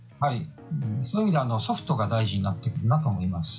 そういう意味ではソフトが大事になってくるかなと思います。